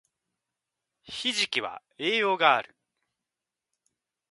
ひじきは栄養がある